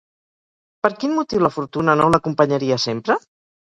Per quin motiu la fortuna no l'acompanyaria sempre?